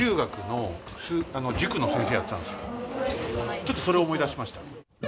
ちょっとそれを思い出しました。